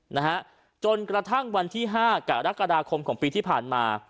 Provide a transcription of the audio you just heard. นะฮะจนกระทั่งวันที่ห้ากรกฎาคมของปีที่ผ่านมา